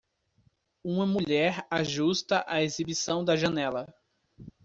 Uma mulher ajusta a exibição da janela.